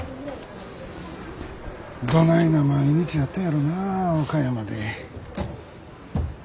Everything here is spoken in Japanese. どないな毎日やったんやろなあ岡山で。